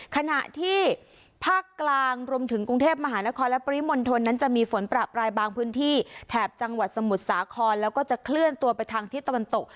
ขณะที่ภาคกลางรวมถึงกรุงเทพมหานครและปริมณฑลนั้นจะมีฝนประปรายบางพื้นที่แถบจังหวัดสมุทรสาครแล้วก็จะเคลื่อนตัวไปทางทิศตะวันตก